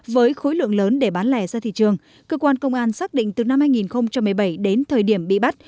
với khối lượng lớn để bán lẻ ra thị trường cơ quan công an xác định từ năm hai nghìn một mươi bảy đến thời điểm bị bắt